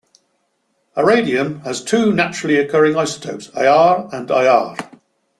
Iridium has two naturally occurring isotopes, Ir and Ir.